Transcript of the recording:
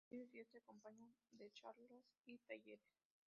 Durante varios días se acompaña de charlas y talleres.